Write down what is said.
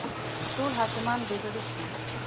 ټول حاکمان بې زړه شي.